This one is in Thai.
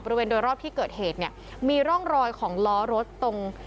บริเวณโดยรอบที่เกิดเหตุเนี่ยมีร่องรอยของล้อรถตรง